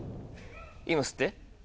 今吸って。